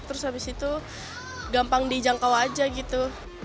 terus habis itu gampang dijangkau aja gitu